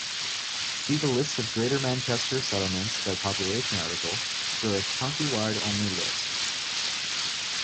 See the List of Greater Manchester settlements by population article for a countywide-only list.